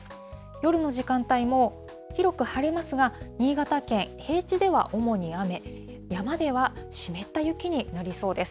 夜の時間帯も、広く晴れますが、新潟県、平地では主に雨、山では湿った雪になりそうです。